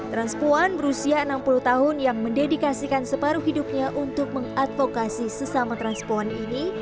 transpuan berusia enam puluh tahun yang mendedikasikan separuh hidupnya untuk mengadvokasi sesama transpuan ini